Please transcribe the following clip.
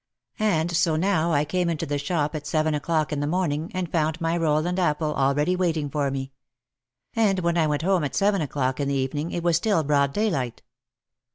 And so now I came into the shop at seven o'clock in the morning and found my roll and apple already wait ing for me. And when I went home at seven o'clock in the evening it was still broad daylight.